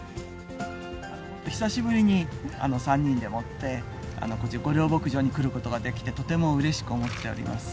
久しぶりに、３人でもって、御料牧場に来ることができて、とてもうれしく思っております。